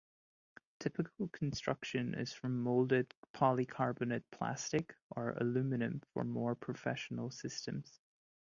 Typical construction is from moulded polycarbonate plastic, or aluminum for more professional systems.